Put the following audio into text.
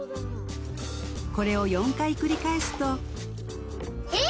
これを４回繰り返すとえっ！？